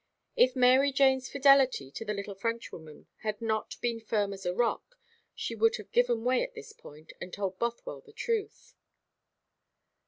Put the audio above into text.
If Mary Jane's fidelity to the little Frenchwoman had not been firm as a rock, she would have given way at this point, and told Bothwell the truth.